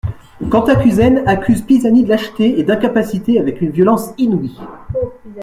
Cantacuzène accuse Pisani de lâcheté et d'incapacité avec une violence inouïe.